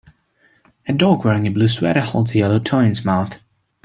A dog wearing a blue sweater holds a yellow toy in its mouth.